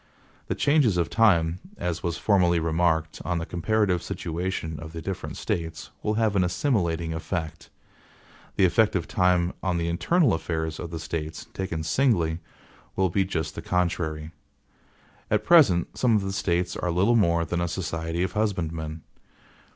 The changes of time, as was formerly remarked, on the comparative situation of the different States, will have an assimilating effect. The effect of time on the internal affairs of the States, taken singly, will be just the contrary. At present some of the States are little more than a society of husbandmen.